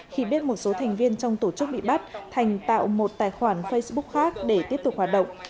khi biết một số thành viên trong tổ chức bị bắt thành tạo một tài khoản facebook khác để tiếp tục hoạt động